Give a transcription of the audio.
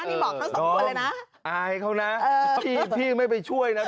พี่บอกเขาสองคนเลยน่ะอายเขานะเออพี่พี่ไม่ไปช่วยน่ะ